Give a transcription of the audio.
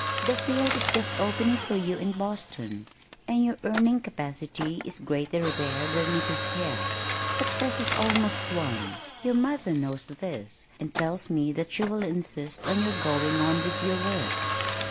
"The field is just opening for you in Boston, and your earning capacity is greater there than it is here. Success is almost won. Your mother knows this and tells me that she will insist on your going on with your work."